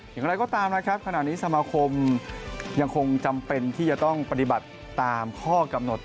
อย่างไรก็ตามนะครับขณะนี้สมาคมยังคงจำเป็นที่จะต้องปฏิบัติตามข้อกำหนด